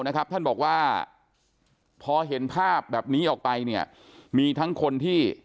นะครับท่านบอกว่าพอเห็นภาพแบบนี้ออกไปเนี่ยมีทั้งคนที่